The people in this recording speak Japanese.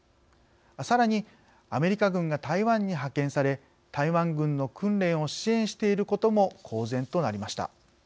さらにアメリカ軍が台湾に派遣され台湾軍の訓練を支援していることも公然となりました。